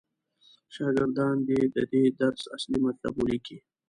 شاګردان دې د دې درس اصلي مطلب ولیکي.